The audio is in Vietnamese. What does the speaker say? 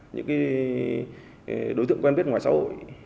những đối tượng quen biết ngoài xã hội